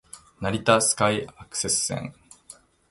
成田スカイアクセス線